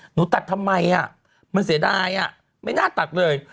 หนูตัดทำไมมันเสียดายไม่น่าตัดเลย